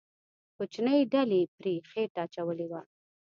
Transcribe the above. کوچنۍ ډلې پرې خېټه اچولې وه.